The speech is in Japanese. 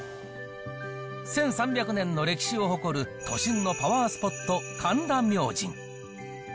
１３００年の歴史を誇る都心のパワースポット、神田明神。